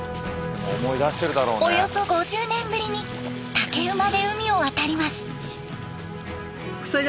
およそ５０年ぶりに竹馬で海を渡ります。